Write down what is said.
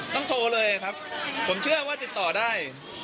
ต้องโทรเลยครับผมเชื่อว่าติดต่อได้